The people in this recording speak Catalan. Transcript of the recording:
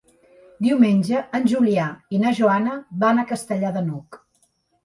Diumenge en Julià i na Joana van a Castellar de n'Hug.